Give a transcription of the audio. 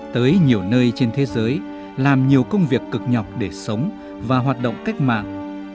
tới nhiều nơi trên thế giới làm nhiều công việc cực nhọc để sống và hoạt động cách mạng